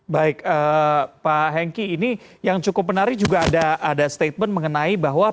baik pak hengki ini yang cukup menarik juga ada statement mengenai bahwa